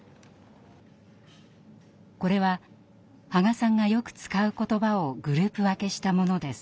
これは波賀さんがよく使う言葉をグループ分けしたものです。